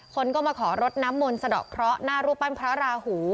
คนก็มาขอรดน้ำมนต์สะดอกเคราะห์หน้ารูปปั้นพระราหู